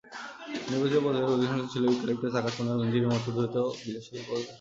নির্বাচিত প্রজাতিগুলির অধিকাংশ ছিল ইউক্যালিপটাস, আকাশমণি ও মিনজিরির মতো বিদেশি দ্রুতবর্ধনশীল প্রজাতির গাছ।